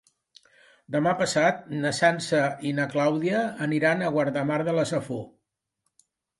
Demà passat na Sança i na Clàudia aniran a Guardamar de la Safor.